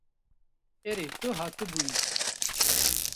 Erê tu hatibûyî.